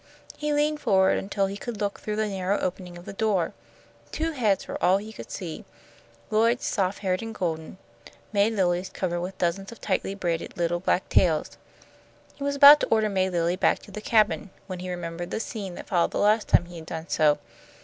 He leaned forward until he could look through the narrow opening of the door. Two heads were all he could see, Lloyd's, soft haired and golden, May Lilly's, covered with dozens of tightly braided little black tails. He was about to order May Lilly back to the cabin, when he remembered the scene that followed the last time he had done so.